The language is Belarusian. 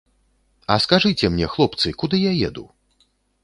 А скажыце мне, хлопцы, куды я еду?